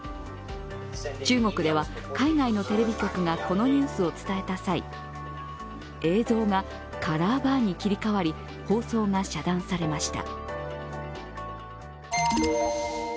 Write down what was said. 中国では、海外のテレビ局がこのニュースを伝えた際、映像がカラーバーに切り替わり放送が遮断されました。